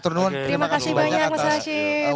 terima kasih banyak mas hashim